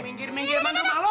minggir minggir rumah lo